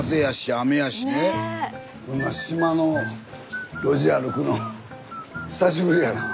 こんな島の路地歩くの久しぶりやなあ。